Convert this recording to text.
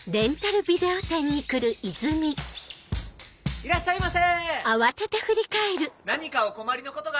いらっしゃいませ。